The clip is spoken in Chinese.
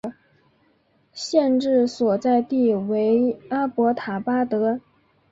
县治所在地为阿伯塔巴德。